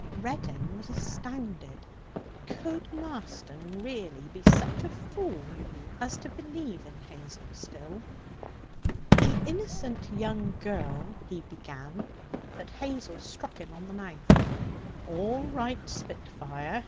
Reddin was astounded. Could Marston really be such a fool as to believe in Hazel still? 'The innocent young girl ' he began, but Hazel struck him on the mouth. 'All right, spitfire!'